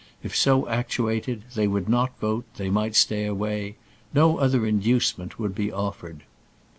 If so actuated, they would not vote, they might stay away; no other inducement would be offered.